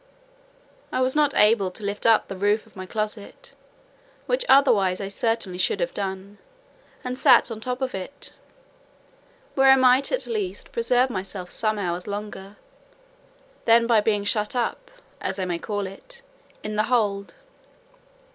I was not able to lift up the roof of my closet, which otherwise I certainly should have done, and sat on the top of it; where I might at least preserve myself some hours longer, than by being shut up (as I may call it) in the hold.